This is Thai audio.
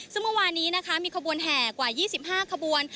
ซึ่งเมื่อวานนี้นะคะมีขบวนแห่กว่า๒๕ขบวน